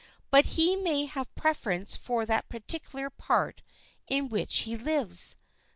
But he may have a preference for that particular part in which he lives.